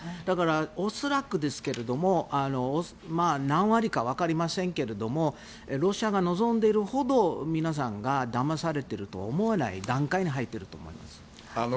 だから、恐らくですが何割かわかりませんがロシアが望んでいるほど皆さんがだまされているとは思わない段階に入っていると思います。